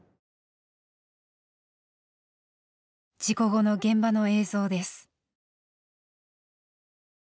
事故後の現場の映像です。